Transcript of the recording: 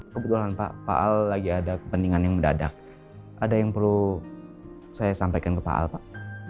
kebetulan pak al lagi ada kepentingan yang mendadak ada yang perlu saya sampaikan ke pak al pak